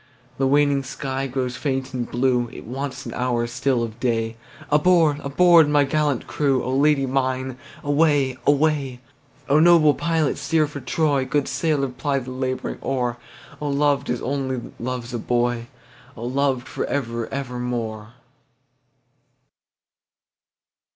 The waning sky grows faint and blue, It wants an hour still of day, Aboard! aboard! my gallant crew,O Lady mine away! away!O noble pilot steer for Troy, Good sailor ply the labouring oar,O loved as only loves a boy!O loved for ever evermore!